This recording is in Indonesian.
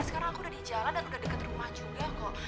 sekarang aku udah di jalan dan udah dekat rumah juga kok